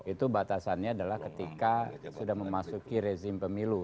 itu batasannya adalah ketika sudah memasuki rezim pemilu